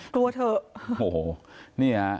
กลัวเถอะ